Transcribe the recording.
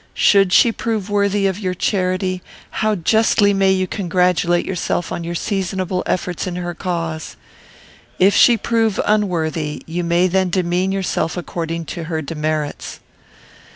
Should she prove worthy of your charity, how justly may you congratulate yourself on your seasonable efforts in her cause! If she prove unworthy, you may then demean yourself according to her demerits."